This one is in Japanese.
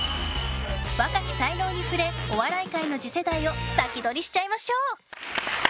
若き才能に触れお笑い界の次世代を先取りしちゃいましょう。